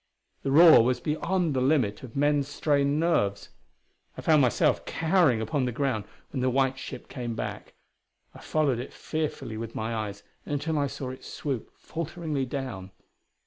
The roar was beyond the limit of men's strained nerves. I found myself cowering upon the ground when the white ship came back; I followed it fearfully with my eyes until I saw it swoop falteringly down.